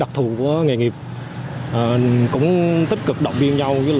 đặc thù của nghề nghiệp cũng tích cực động viên nhau